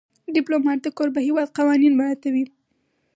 ډيپلومات د کوربه هېواد قوانین مراعاتوي.